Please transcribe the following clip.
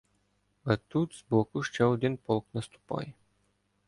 А тут збоку ще один полк наступає.